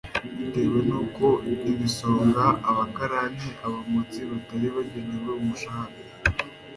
bitewe n'uko ibisonga, abakarani, abamotsi batari bagenewe umushahara